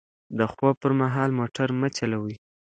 د خوب پر مهال موټر مه چلوئ.